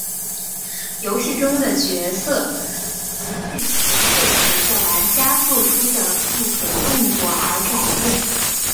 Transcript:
游戏中的角色及剧情会随玩家作出的不同动作而改变。